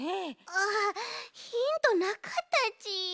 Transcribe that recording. ああヒントなかったち。